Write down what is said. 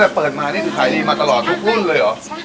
แต่เปิดมานี่คือขายดีมาตลอดทุกรุ่นเลยเหรอ